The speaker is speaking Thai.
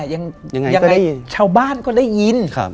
ยังไงชาวบ้านก็ได้ยิน